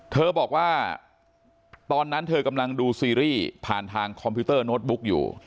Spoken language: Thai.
เธอบอกว่าตอนนั้นเธอกำลังดูซีรีส์ผ่านทางคอมพิวเตอร์โน้ตบุ๊กอยู่